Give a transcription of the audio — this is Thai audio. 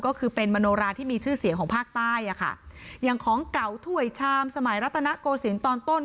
ก็คือเป็นมโนราที่มีชื่อเสียงของภาคใต้อ่ะค่ะอย่างของเก่าถ้วยชามสมัยรัตนโกศิลป์ตอนต้น